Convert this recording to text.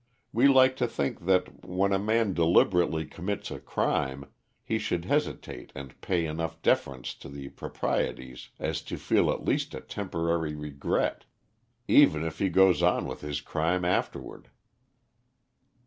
We like to think that, when a man deliberately commits a crime, he should hesitate and pay enough deference to the proprieties as to feel at least a temporary regret, even if he goes on with his crime afterward.